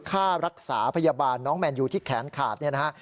ค่ารักษาพยาบาลน้องแมนยูที่แขนขาดเนี่ยนะฮะ